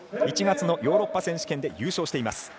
１月のヨーロッパ選手権で優勝しています。